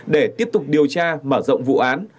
để tiếp tục điều tra mở rộng vụ án